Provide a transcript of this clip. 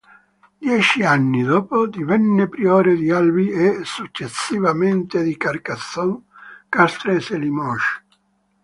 Dieci anni dopo divenne priore di Albi e successivamente di Carcassonne, Castres e Limoges.